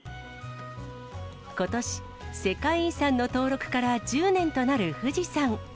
ことし、世界遺産の登録から１０年となる富士山。